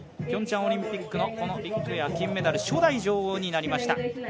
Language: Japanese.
ピョンチャンオリンピックのこのビッグエア、金メダル初代女王になりました。